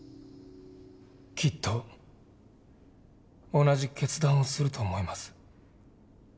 きっと同じ決断をすると思います。